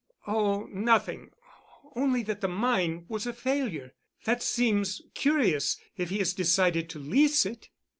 "Oh, nothing—only that the mine was a failure. That seems curious if he had decided to lease it."